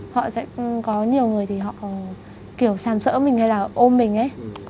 họ sẽ có nhiều người thì họ kiểu sàn sỡ mình hay là ôm mình ấy